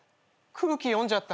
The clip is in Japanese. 空気読んじゃった。